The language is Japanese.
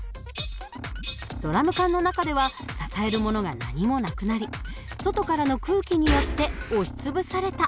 ドラム缶の中では支えるものが何もなくなり外からの空気によって押し潰されたという訳なんです。